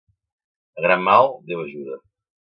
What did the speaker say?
A gran mal, Déu ajuda.